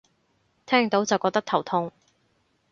聽到就覺得頭痛